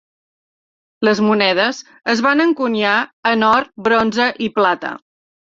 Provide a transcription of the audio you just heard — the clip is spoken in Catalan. Les monedes es van encunyar en or, bronze i plata.